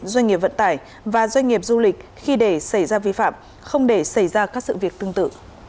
doanh nghiệp vận tải và doanh nghiệp du lịch khi để xảy ra vi phạm không để xảy ra các sự việc tương tự